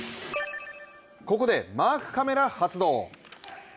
ここでマークカメラ発動。